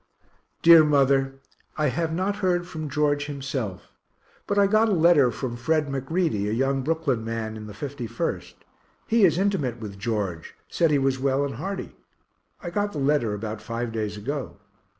Dear mother, I have not heard from George himself; but I got a letter from Fred McReady, a young Brooklyn man in 51st he is intimate with George, said he was well and hearty. I got the letter about five days ago.